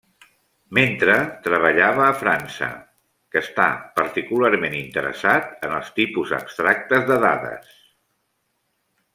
Mentre treballava a França, que està particularment interessat en els tipus abstractes de dades.